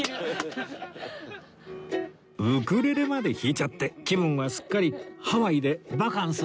ウクレレまで弾いちゃって気分はすっかりハワイでバカンス？